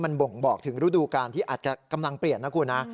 มันบ่งบอกถึงฤดูการที่อาจจะกำลังเปลี่ยนนะคุณนะ